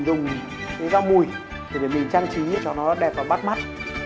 dùng cái rau mùi để mình trang trí cho nó đẹp và bắt mắt